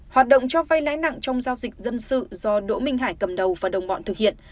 hoạt động cho vay lãi nặng trong giao dịch dân sự do đỗ minh hải cầm đầu và đồng bọn thực hiện